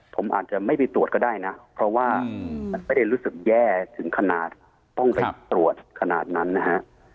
ผมอาจจะไม่ไปตรวจก็ได้นะเพราะว่ามันไม่ได้รู้สึกแย่ถึงขนาดต้องไปตรวจขนาดนั้นนะฮะ